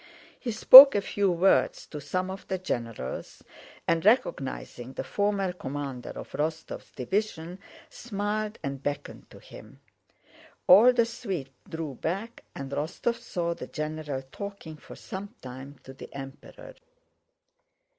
He spoke a few words to some of the generals, and, recognizing the former commander of Rostóv's division, smiled and beckoned to him. All the suite drew back and Rostóv saw the general talking for some time to the Emperor.